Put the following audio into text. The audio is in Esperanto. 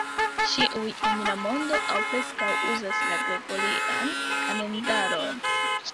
Ĉiuj en la mondo, aŭ preskaŭ, uzas la gregorian kalendaron.